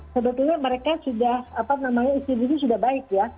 sebetulnya mereka sudah apa namanya institusi sudah baik ya